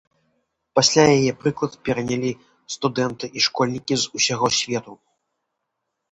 Пасля яе прыклад перанялі студэнты і школьнікі з усяго свету.